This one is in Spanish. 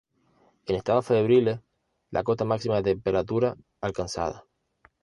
En estados febriles, la cota máxima de temperatura alcanzada.